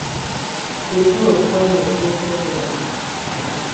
Tətə wa vuan loe dɔbədɔ.